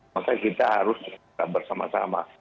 maka kita harus bersama sama